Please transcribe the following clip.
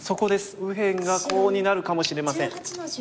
右辺がコウになるかもしれません。